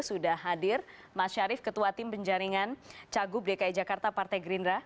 sudah hadir mas syarif ketua tim penjaringan cagup dki jakarta partai gerindra